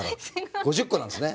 ５０個なんですね。